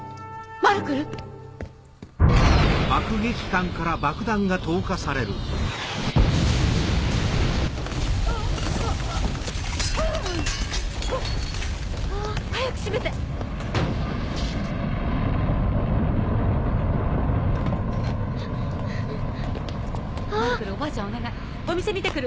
マルクルおばあちゃんをお願いお店見て来る。